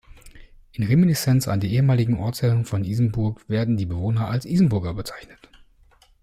In Reminiszenz an die ehemaligen Ortsherren von Isenburg werden die Bewohner als „Isenburger“ bezeichnet.